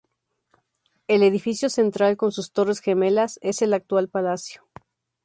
El edificio central con sus torres gemelas es el actual palacio.